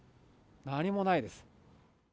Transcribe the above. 何もないです。